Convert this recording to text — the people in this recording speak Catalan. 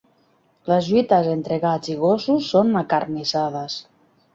Les lluites entre gats i gossos són acarnissades.